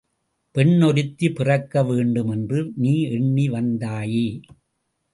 பெண்ணொருத்தி பிறக்க வேண்டுமென்று நீ எண்ணி வந்தாயே!